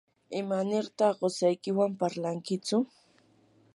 ¿imanirtaq qusaykiwan parlankichu?